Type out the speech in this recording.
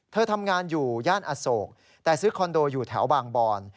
เธอทำงานอยู่ย่านอโศกแต่ซื้อคอนโดอยู่แถวบางบอน